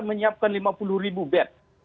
menyiapkan lima puluh ribu bed